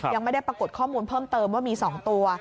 ยังไม่ได้ปรากฏข้อมูลเพิ่มเติมว่ามี๒ตัว